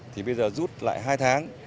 thì bây giờ rút lại hai tháng